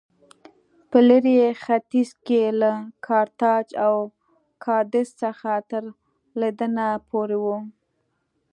په لېرې ختیځ کې له کارتاج او کادېس څخه تر لندنه پورې و